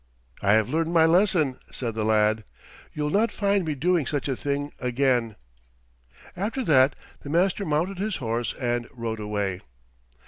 "I have learned my lesson," said the lad. "You'll not find me doing such a thing again." After that the master mounted his horse and rode away.